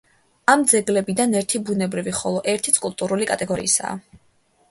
ამ ძეგლებიდან ერთი ბუნებრივი, ხოლო ერთიც კულტურული კატეგორიისაა.